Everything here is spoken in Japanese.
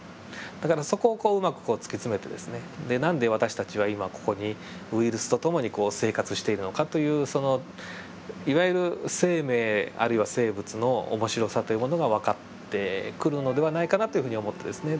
だからそこをうまく突き詰めてですねで何で私たちは今ここにウイルスと共に生活しているのかというそのいわゆる生命あるいは生物の面白さというものが分かってくるのではないかなというふうに思ってですね。